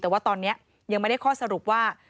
แต่ว่าตอนนี้ยังไม่ได้ข้อสรุปว่า